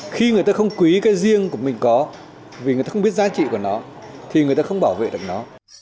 khi người ta không quý cái riêng của mình có vì người ta không biết giá trị của nó thì người ta không bảo vệ được nó